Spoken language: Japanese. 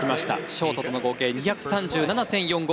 ショートとの合計２３７．４５。